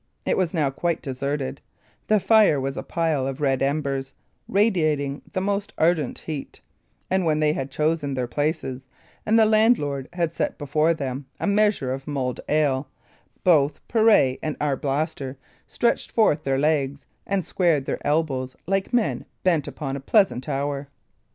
It was now quite deserted; the fire was a pile of red embers, radiating the most ardent heat; and when they had chosen their places, and the landlord had set before them a measure of mulled ale, both Pirret and Arblaster stretched forth their legs and squared their elbows like men bent upon a pleasant hour.